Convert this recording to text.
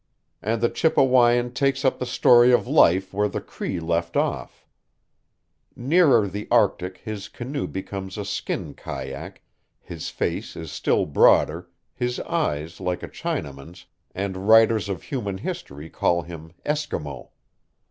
And the Chippewyan takes up the story of life where the Cree left off. Nearer the Arctic his canoe becomes a skin kaiak, his face is still broader, Ms eyes like a Chinaman's, and writers of human history call him Eskimo.